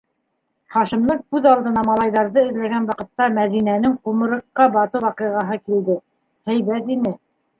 - Хашимдың күҙ алдына малайҙарҙы эҙләгән ваҡытта Мәҙинәнең ҡумырыҡҡа батыу ваҡиғаһы килде. - һәйбәт ине.